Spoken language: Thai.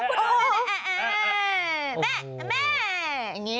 แม่แม่แม่แม่แม่แม่แม่